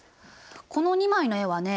この２枚の絵はね